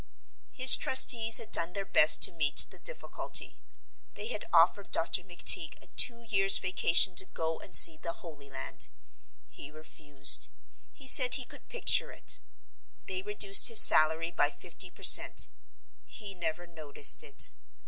His trustees had done their best to meet the difficulty. They had offered Dr. McTeague a two years' vacation to go and see the Holy Land. He refused; he said he could picture it. They reduced his salary by fifty per cent; he never noticed it.